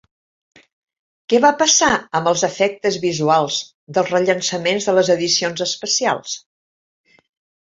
Què va passar amb els efectes visuals dels rellançaments de les edicions especials?